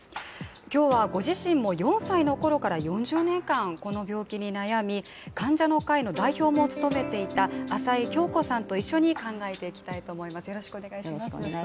今日は、ご自身も４歳のころから４０年間この病気に悩み、患者の会の代表も務めていた朝井香子さんと一緒に考えていきたいと思います。